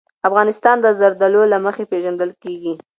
افغانستان د زردالو له مخې پېژندل کېږي.